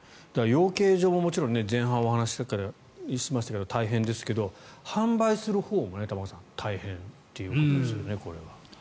養鶏場ももちろん前半お話ししましたが大変ですけど販売するほうも、玉川さん大変ということですよね。